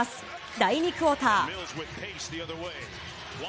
第２クオーター。